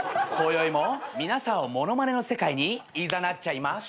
こよいも皆さんを物まねの世界にいざなっちゃいま。